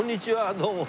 どうも。